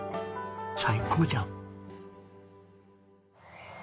最高じゃん！